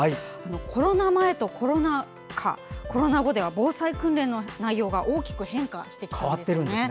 コロナ前とコロナ禍コロナ後では防災訓練の内容が大きく変化してきています。